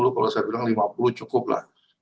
kalau saya bilang lima puluh cukup lah